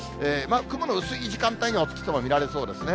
雲の薄い時間帯にはお月様見られそうですね。